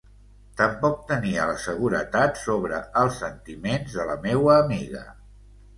Tampoc tenia la seguretat sobre els sentiments de la meua amiga...